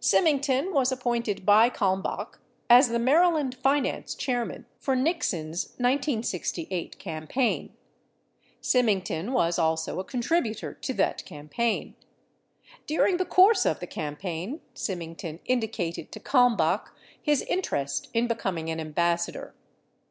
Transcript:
Symington was appointed by Kalmbach as the Maryland finance chairman for Nixon's 1968 campaign; Symington was also a con tributor to that campaign. During the course of the campaign, Sy mington indicated to Kalmbach his interest in becoming an ambas sador.